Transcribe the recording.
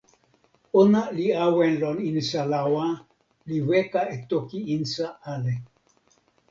ona li awen lon insa lawa, li weka e toki insa ale.